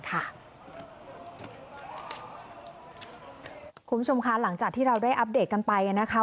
คุณผู้ชมคะหลังจากที่เราได้อัปเดตกันไปนะคะ